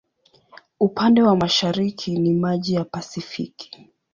Upande wa mashariki ni maji ya Pasifiki.